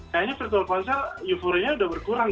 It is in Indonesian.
kayaknya virtual konser euforia nya udah berkurang